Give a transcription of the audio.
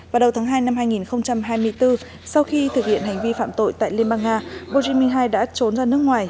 vào đầu tháng hai năm hai nghìn hai mươi bốn sau khi thực hiện hành vi phạm tội tại liên bang nga burj minh đã trốn ra nước ngoài